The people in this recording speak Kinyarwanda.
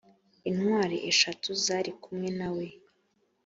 intwari eshatu zari kumwe nawe